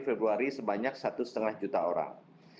februari sebanyak satu lima juta orang